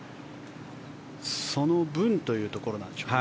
その分というところでしょうか。